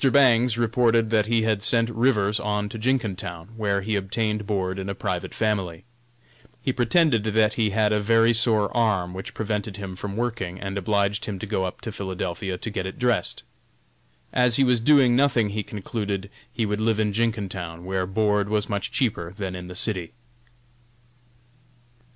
Bangs reported that he had sent Rivers on to Jenkintown, where he obtained board in a private family. He pretended that he had a very sore arm, which prevented him from working and obliged him to go up to Philadelphia to get it dressed. As he was doing nothing he concluded he would live in Jenkintown, where board was much cheaper than in the city.